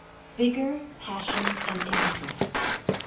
Vigor, Passion, and Impetus.